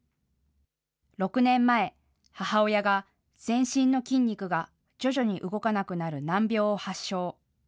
６年前、母親が全身の筋肉が徐々に動かなくなる難病を発症。